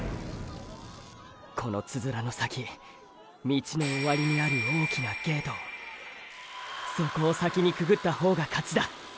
このつづらの先道の終わりにある大きなゲートそこを先にくぐったほうが勝ちだ。